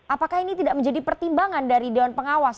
apakah ini tidak menjadi pertimbangan dari dewan pengawas